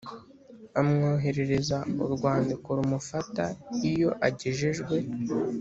amwoherereza urwandiko rumufata Iyo agejejwe